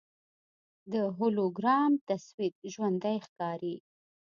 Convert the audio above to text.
د هولوګرام تصویر ژوندی ښکاري.